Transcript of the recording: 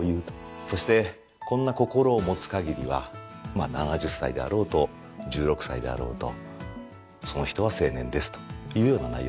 そしてこんな心を持つかぎりはまあ７０歳であろうと１６歳であろうとその人は青年ですというような内容なんですね。